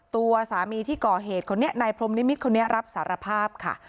ตัวสามีที่ก่อเหตุคนนี้นายพรมนิมิตรคนนี้รับสารภาพค่ะ